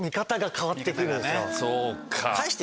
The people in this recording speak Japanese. そうか。